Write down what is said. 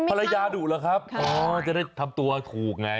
ดุเหรอครับอ๋อจะได้ทำตัวถูกไง